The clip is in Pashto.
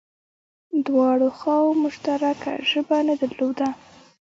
دواړو خواوو مشترکه ژبه نه درلوده